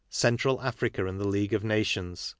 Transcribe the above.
Central Africa and the League ol Nations.